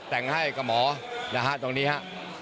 แต่งให้กับหมอนะฮะตรงนี้ฮะ